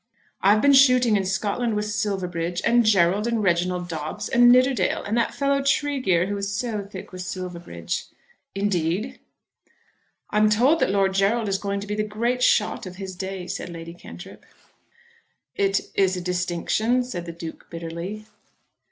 "I've been shooting in Scotland with Silverbridge, and Gerald, and Reginald Dobbes, and Nidderdale, and that fellow Tregear, who is so thick with Silverbridge." "Indeed!" "I'm told that Lord Gerald is going to be the great shot of his day," said Lady Cantrip. "It is a distinction," said the Duke bitterly.